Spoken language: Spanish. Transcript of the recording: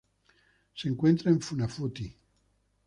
Se encuentra en Funafuti.